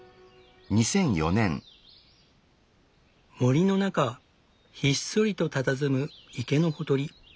森の中ひっそりとたたずむ池のほとり。